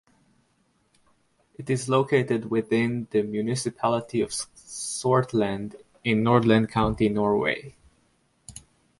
It is located within the municipality of Sortland in Nordland county, Norway.